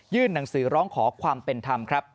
หนังสือร้องขอความเป็นธรรมครับ